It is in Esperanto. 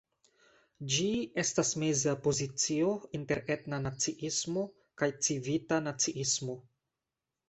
Ĝi estas meza pozicio inter etna naciismo kaj civita naciismo.